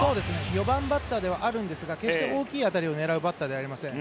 ４番バッターではあるんですが決して大きな当たりを狙うバッターではありません。